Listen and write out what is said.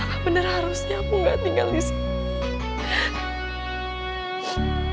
ah bener harusnya aku gak tinggal di sini